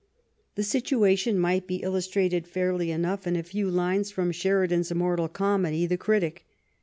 The situation might be illustrated fairly enough in a few lines from Sheridan's immortal comedy, " The Critic."